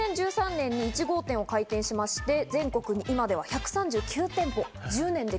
２０１３年に１号店を開店しまして、全国に今では１３９店舗。